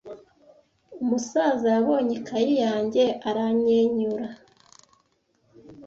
Umusaza yabonye ikaye yanjye aranyenyura.